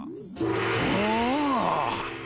おお！